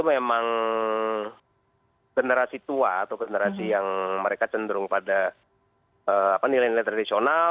memang generasi tua atau generasi yang mereka cenderung pada nilai nilai tradisional